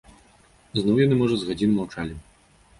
Зноў яны, можа, з гадзіну маўчалі.